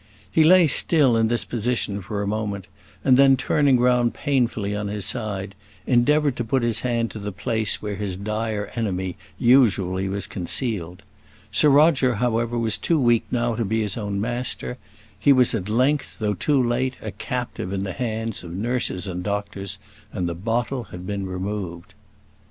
He lay still in this position for a moment, and then, turning round painfully on his side, endeavoured to put his hand to the place where his dire enemy usually was concealed. Sir Roger, however, was too weak now to be his own master; he was at length, though too late, a captive in the hands of nurses and doctors, and the bottle had now been removed.